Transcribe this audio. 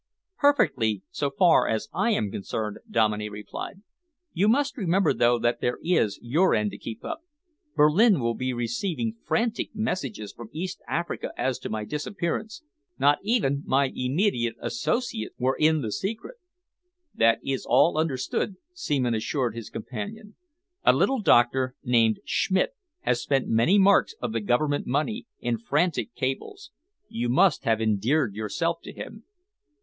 "Perfectly, so far as I am concerned," Dominey replied. "You must remember, though, that there is your end to keep up. Berlin will be receiving frantic messages from East Africa as to my disappearance. Not even my immediate associates were in the secret." "That is all understood," Seaman assured his companion. "A little doctor named Schmidt has spent many marks of the Government money in frantic cables. You must have endeared yourself to him."